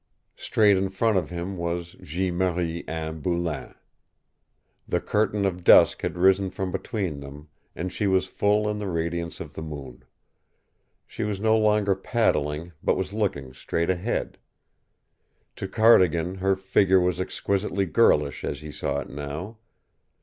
Straight in front of him was Jeanne Marie Anne Boulain. The curtain of dusk had risen from between them, and she was full in the radiance of the moon. She was no longer paddling, but was looking straight ahead. To Cardigan her figure was exquisitely girlish as he saw it now.